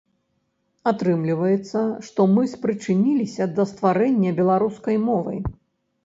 Атрымліваецца, што мы спрычыніліся да стварэння беларускай мовы.